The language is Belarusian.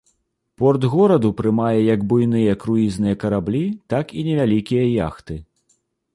Порт гораду прымае як буйныя круізныя караблі, так і невялікія яхты.